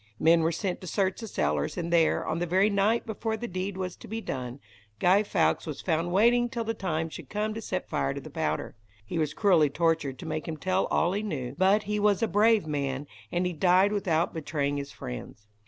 Men were sent to search the cellars, and there, on the very night before the deed was to be done, Guy Fawkes was found waiting till the time should come to set fire to the powder. He was cruelly tortured to make him tell all he knew, but he was a brave man, and he died without betraying his friends.